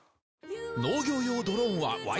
農業用ドローンはＹＬＣ！